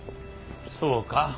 そうか？